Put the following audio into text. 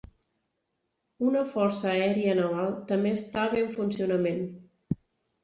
Una força aèria naval també estava en funcionament.